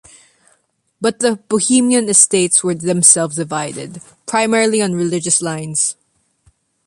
But the Bohemian estates were themselves divided, primarily on religious lines.